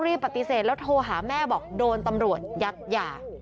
ปฏิเสธแล้วโทรหาแม่บอกโดนตำรวจยัดยา